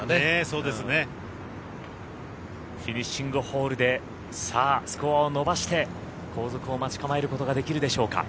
フィニッシングホールでさあ、スコアを伸ばして後続を待ち構えることができるでしょうか。